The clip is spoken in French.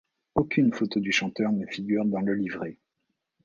Aucune photo du chanteur ne figure dans le livret.